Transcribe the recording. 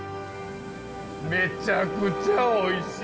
めちゃくちゃおいしい。